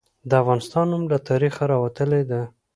د افغانستان نوم له تاریخه راوتلي ده.